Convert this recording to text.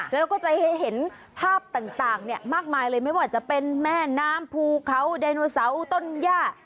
แล้วเราก็จะเห็นภาพต่างมากมายเลยไม่ว่าจะเป็นแม่น้ำภูเขาไดโนเสาร์ต้นย่า